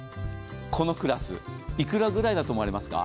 このクラス幾らぐらいだと思われますか？